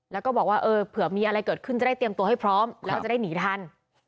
แล้วก็บอกว่าเออเผื่อมีอะไรเกิดขึ้นจะได้เตรียมตัวให้พร้อมแล้วจะได้หนีทัน